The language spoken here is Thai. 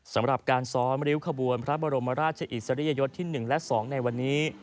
สำหรับการซ้อมริ้วขบวนพระบรมราชอิสริยยศที่๑และ๒ในวันนี้